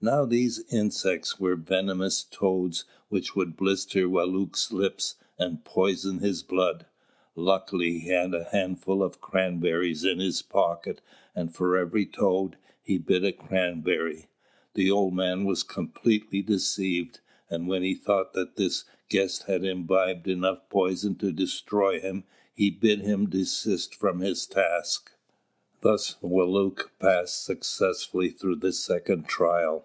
Now these insects were venomous toads which would blister Wālūt's lips and poison his blood. Luckily he had a handful of cranberries in his pocket, and for every toad, he bit a cranberry. The old man was completely deceived, and when he thought that his guest had imbibed enough poison to destroy him, he bade him desist from his task. Thus Wālūt passed successfully through the second trial.